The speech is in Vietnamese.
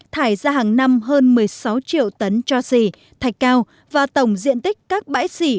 thải ra hàng năm hơn một mươi sáu triệu tấn cho xỉ thạch cao và tổng diện tích các bãi xỉ